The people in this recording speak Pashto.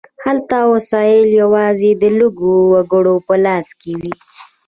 هلته وسایل یوازې د لږو وګړو په لاس کې وي.